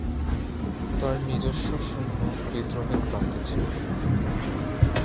তার নিজস্ব সৈন্য বিদ্রোহের প্রান্তে ছিল।